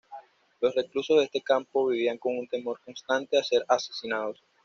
Los reclusos de este campo vivían con un temor constante a ser asesinados.